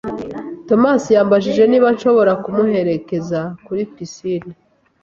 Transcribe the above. Thomas yambajije niba nshobora kumuherekeza kuri pisine.